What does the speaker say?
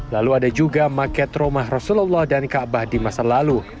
lalu ada juga maket rumah rasulullah dan kaabah di masa lalu